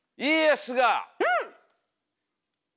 うん！